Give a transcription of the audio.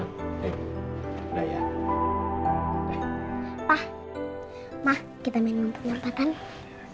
mah kita main lompat lompatan